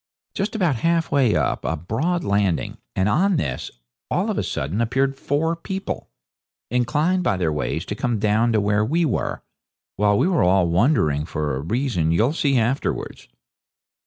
Just about half way up was a broad landing, and on this, all of a sudden, appeared four people, inclined by their ways to come down to where we were, while we were all wondering, for a reason you'll see afterwards.